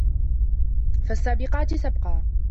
فَالسّابِقاتِ سَبقًا